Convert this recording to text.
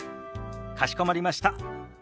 かしこまりました。